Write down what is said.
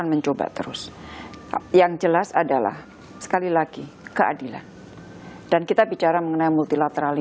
untuk menguasai p di sini